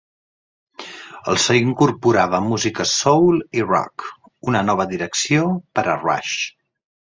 El so incorporava música soul i rock, una nova direcció per a Rush.